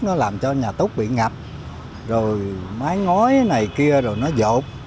nó làm cho nhà túc bị ngập rồi mái ngói này kia rồi nó dột